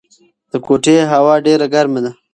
د کوټې هوا ډېره ګرمه ده.